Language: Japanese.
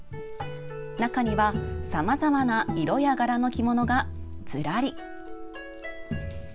中には、さまざまな色や柄の着物がずらり。